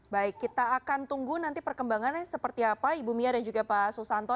baik kita akan tunggu nanti perkembangannya seperti apa ibu mia dan juga pak susanto